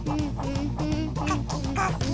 かきかき。